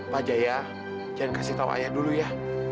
pak jaya jangan beritahu ayah dulu ya